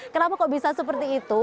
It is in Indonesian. kenapa kok bisa seperti itu